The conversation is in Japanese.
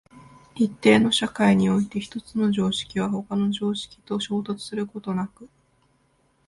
一定の社会において一つの常識は他の常識と衝突することなく、